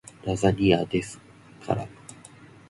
ラザニアですから